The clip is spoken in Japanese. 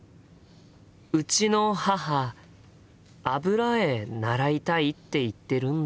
うちの母油絵習いたいって言ってるんだよね。